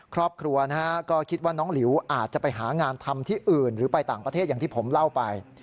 ครอบครัวนะฮะก็คิดว่าน้องหลิวอาจจะไปหางานทำที่อื่นหรือไปต่างประเทศอย่างที่ผมเล่าไป